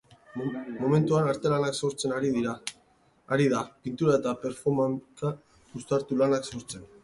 Momentuan artelanak sortzen ari da, pintura eta performanca uztartu lanak sortzen.